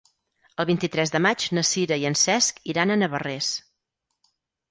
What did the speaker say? El vint-i-tres de maig na Sira i en Cesc iran a Navarrés.